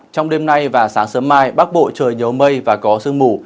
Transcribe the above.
trong đêm nay và sáng sớm mai bắc bộ trời nhớ mây và có sương mù